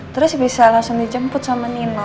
terus bisa langsung dijemput sama nino